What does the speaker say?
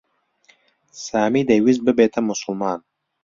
سامی دەیویست ببێتە موسڵمان.